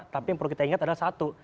tapi yang perlu kita ingat adalah satu